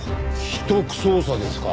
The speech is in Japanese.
秘匿捜査ですか？